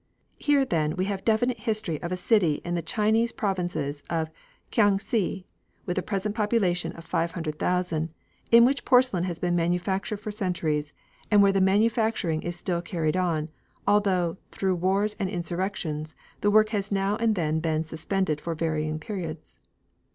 Here, then, we have definite history of a city in the Chinese provinces of Kiang si, with a present population of 500,000, in which porcelain has been manufactured for centuries, and where the manufacturing is still carried on, although, through wars and insurrections, the work has now and then been suspended for varying periods.